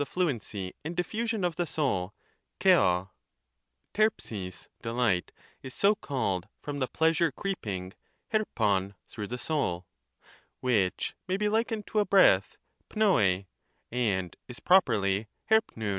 fluency and diffusion of the soul (xto)) ; rtpxpiq (delight) is so called from the pleasure creeping [hp nov) through the soul, which may be likened to a breath {TTvorj) and is properly (v<i,po<Tvfr